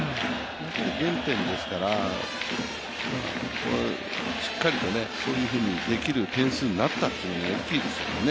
原点ですから、しっかりとそういうふうにできる点数になったのは大きいですよね。